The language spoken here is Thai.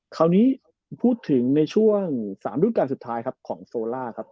คราวนี้พูดถึงในช่วง๓รุ่นการสุดท้ายครับของโซล่าครับ